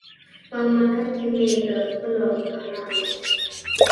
په مکه کې مې د خپلو افغانانو.